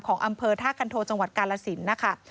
ของอำเภอท่าคันโทจังหวัดกาลสินนะคะ